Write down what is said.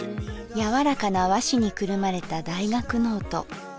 柔らかな和紙にくるまれた大学ノート。